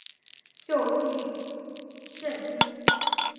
旧姓胜津。